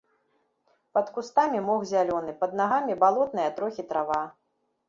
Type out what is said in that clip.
Пад кустамі мох зялёны, пад нагамі балотная трохі трава.